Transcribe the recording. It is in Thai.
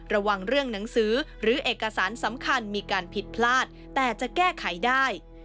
ระวังเรื่องหนังสือหรือเอกสารสำคัญมีการผิดพลาดแต่จะแก้ไขได้